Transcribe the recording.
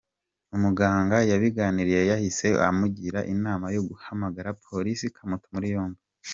Umuganga yabiganiriye yahise amugira inama yo guhamagara polisi ikamuta muri yombi.